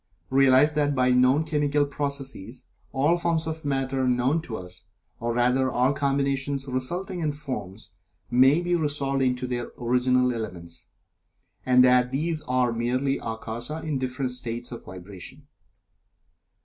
Realize that by known chemical processes all forms of Matter known to us, or rather all combinations resulting in "forms," may be resolved into their original elements, and that these elements are merely Akasa in different states of vibration.